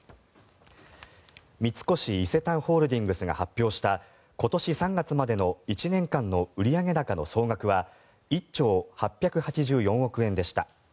三越伊勢丹ホールディングスが発表した今年３月までの１年間の売上高の総額は１兆８８４億円でした。